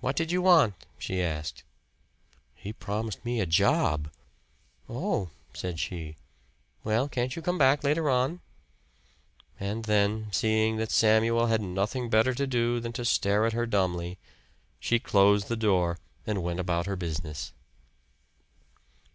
"What did you want?" she asked. "He promised me a job." "Oh!" said she. "Well, can't you come back later on?" And then, seeing that Samuel had nothing better to do than to stare at her dumbly, she closed the door and went about her business.